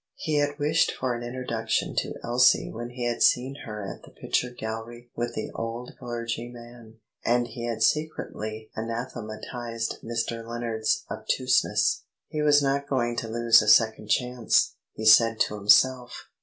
He had wished for an introduction to Elsie when he had seen her at the picture gallery with the old clergyman, and he had secretly anathematised Mr. Lennard's obtuseness. He was not going to lose a second chance, he said to himself.